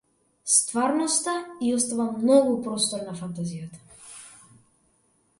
Стварноста ѝ остава многу простор на фантазијата.